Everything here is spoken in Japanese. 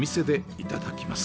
いただきます。